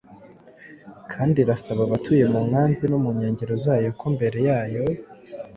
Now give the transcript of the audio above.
kandi irasaba abatuye mu nkambi no mu nkengero zayo ko mbere yo